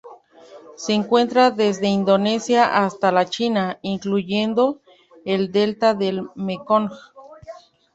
Se encuentra desde Indonesia hasta la China, incluyendo el delta del Mekong.